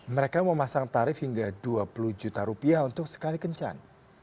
mereka memasang tarif hingga dua puluh juta rupiah untuk sekali kencan